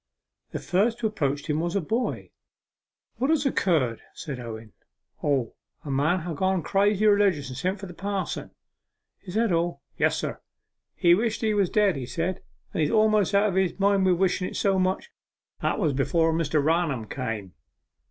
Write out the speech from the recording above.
The first who approached him was a boy. 'What has occurred?' said Owen. 'O, a man ha' got crazy religious, and sent for the pa'son.' 'Is that all?' 'Yes, sir. He wished he was dead, he said, and he's almost out of his mind wi' wishen it so much. That was before Mr. Raunham came.